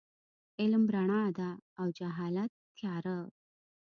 علم رڼا ده او جهالت تیاره.